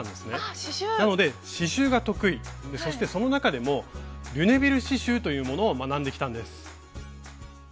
なので刺しゅうが得意でそしてその中でもリュネビル刺しゅうというものを学んできたんです。